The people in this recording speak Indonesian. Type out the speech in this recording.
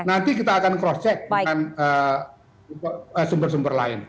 nanti kita akan cross check dengan sumber sumber lain